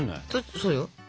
そうよ。